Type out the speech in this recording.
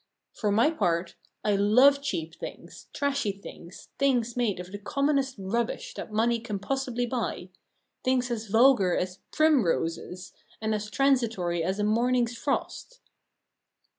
For my part I love cheap things, trashy things, things made of the commonest rubbish that money can possibly buy; things as vulgar as primroses, and as transitory as a morning's frost.